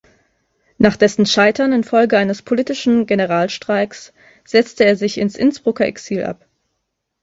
Nach dessen Scheitern infolge eines politischen Generalstreiks setzte er sich ins Innsbrucker Exil ab.